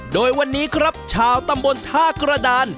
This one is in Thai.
โดยวันนี้ครับชาวตำบลท่ากระดาน